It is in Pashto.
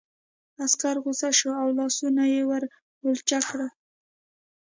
عسکر غوسه شو او لاسونه یې ور ولچک کړل